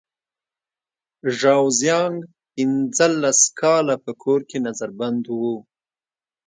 ژاو زیانګ پنځلس کاله په کور کې نظر بند و.